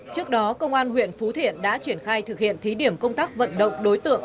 trước đó công an huyện phú thiện đã triển khai thực hiện thí điểm công tác vận động đối tượng